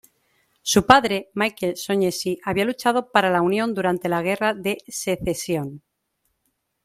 Su padre, Michael Shaughnessy, había luchado para la Unión durante la Guerra de Secesión.